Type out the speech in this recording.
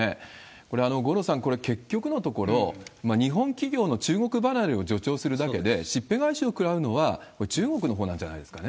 これ、五郎さん、これ、結局のところ、日本企業の中国離れを助長するだけで、しっぺ返しを食らうのは、これ、中国のほうなんじゃないですかね。